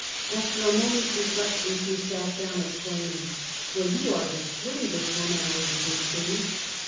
After a moment's reflection she sat down, exclaiming: " Well, you are the strangest woman I ever did see!"